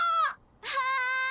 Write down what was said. はい！